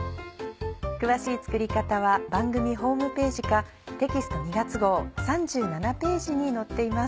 詳しい作り方は番組ホームページかテキスト２月号３７ページに載っています。